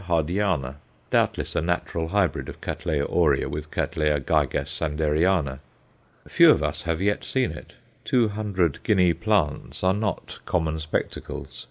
Hardyana_, doubtless a natural hybrid of C. aurea with C. gigas Sanderiana. Few of us have seen it two hundred guinea plants are not common spectacles.